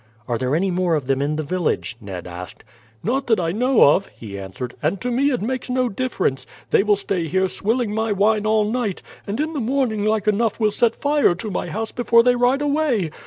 "Are there any more of them in the village?" Ned asked. "Not that I know of," he answered; "and to me it makes no difference. They will stay here swilling my wine all night, and in the morning like enough will set fire to my house before they ride away.